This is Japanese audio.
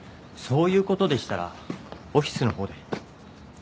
そういうことでしたらオフィスの方で。